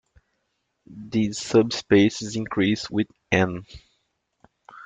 These subspaces increase with "n".